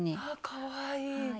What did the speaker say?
かわいい！